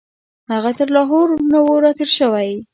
هغه تر لاهور نه وو راتېر شوی.